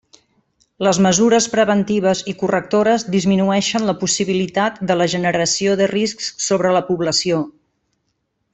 Les mesures preventives i correctores disminueixen la possibilitat de la generació de riscs sobre la població.